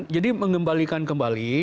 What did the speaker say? jadi mengembalikan kembali